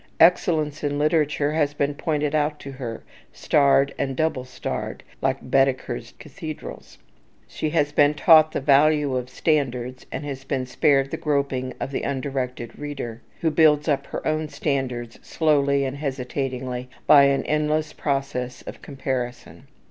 Excellence in literature has been pointed out to her, starred and double starred, like Baedeker's cathedrals. She has been taught the value of standards, and has been spared the groping of the undirected reader, who builds up her own standards slowly and hesitatingly by an endless process of comparison.